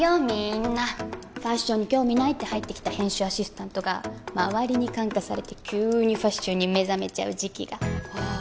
みんなファッションに興味ないって入ってきた編集アシスタントがまわりに感化されて急にファッションに目覚めちゃう時期があ